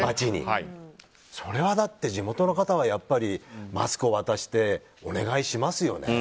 それは、だって地元の方はやっぱりマスクを渡してお願いしますよね。